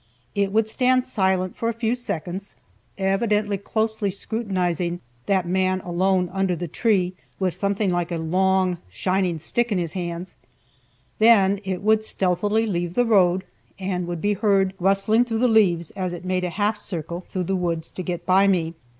It would stand silent for a few seconds, evidently closely scrutinizing that man alone under the tree, with something like a long shining stick in his hands; then it would stealthily leave the road, and would be heard rustling through the leaves as it made a half circle through the woods to get by me.